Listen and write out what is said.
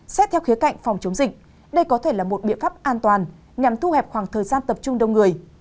xét theo khía cạnh phòng chống dịch đây có thể là một biện pháp an toàn nhằm thu hẹp khoảng thời gian tập trung đông người